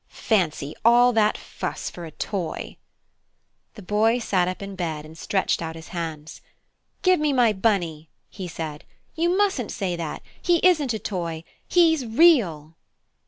"Fancy all that fuss for a toy!" The Boy sat up in bed and stretched out his hands. "Give me my Bunny!" he said. "You mustn't say that. He isn't a toy. He's REAL!"